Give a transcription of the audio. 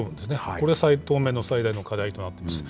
これ、当面の最大の課題となっています。